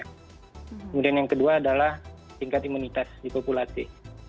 kemudian yang kedua adalah tingkat imunitas di populasi